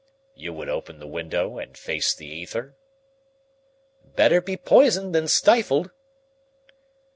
"You would open the window and face the ether?" "Better be poisoned than stifled."